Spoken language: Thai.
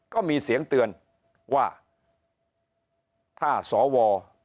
ก็มีเสียงเตือนว่าถ้าสว